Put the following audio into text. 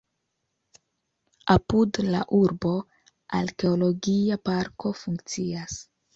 Apud la urbo arkeologia parko funkcias.